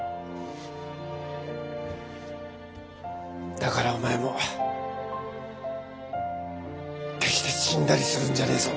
だからお前も決して死んだりするんじゃねえぞ。